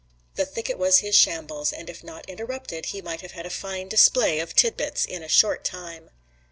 The thicket was his shambles, and if not interrupted, he might have had a fine display of titbits in a short time.